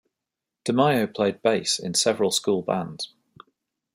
DeMaio played bass in several school bands.